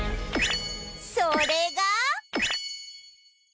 それが